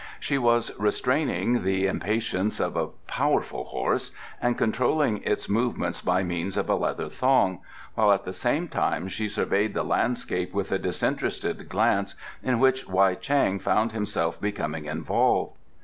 She was restraining the impatience of a powerful horse and controlling its movements by means of a leather thong, while at the same time she surveyed the landscape with a disinterested glance in which Wei Chang found himself becoming involved.